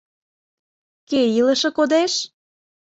Кӧ илыше кодеш?